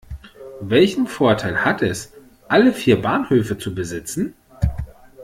Welchen Vorteil hat es, alle vier Bahnhöfe zu besitzen?